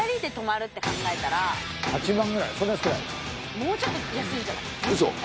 もうちょっと安いんじゃない？